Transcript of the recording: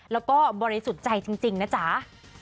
แล้วก็บริสุทธิ์ใจจริงนะจ๊ะ